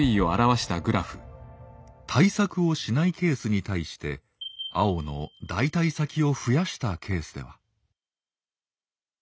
対策をしないケースに対して青の代替先を増やしたケースでは。